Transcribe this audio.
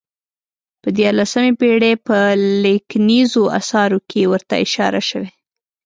په دیارلسمې پېړۍ په لیکنیزو اثارو کې ورته اشاره شوې.